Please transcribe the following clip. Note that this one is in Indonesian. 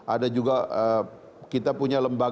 ada juga kita punya lembaga